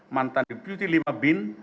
mantan deputi lima bin